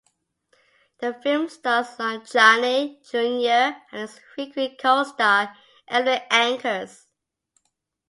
The film stars Lon Chaney, Junior and his frequent co-star Evelyn Ankers.